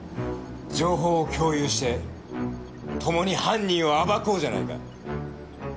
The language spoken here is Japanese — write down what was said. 情報を共有してともに犯人を暴こうじゃないか。